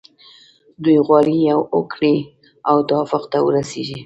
دوی غواړي یوې هوکړې او توافق ته ورسیږي.